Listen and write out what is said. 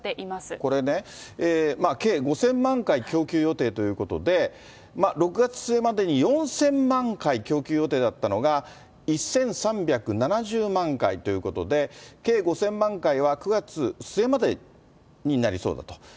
これね、計５０００万回供給予定ということで、６月末までに４０００万回供給予定だったのが、１３７０万回ということで、計５０００万回は９月末までになりそうだと。